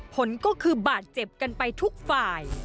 ผลก็คือบาดเจ็บกันไปทุกฝ่าย